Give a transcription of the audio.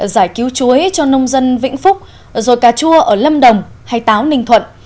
giải cứu chuối cho nông dân vĩnh phúc rồi cà chua ở lâm đồng hay táo ninh thuận